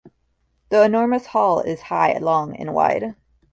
The enormous hall is high, long and wide.